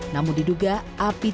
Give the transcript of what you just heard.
namun diduga api tersebut tidak berhasil